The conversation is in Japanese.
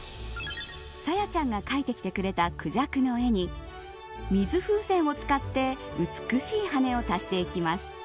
ＳＡＹＡちゃんが描いてきてくれたクジャクの絵に水風船を使って美しい羽を足していきます。